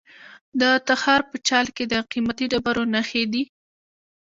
د تخار په چال کې د قیمتي ډبرو نښې دي.